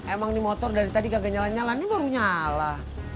emang ini motor dari tadi kagak nyala nyalanya baru nyala